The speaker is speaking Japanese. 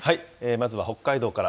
まずは北海道から。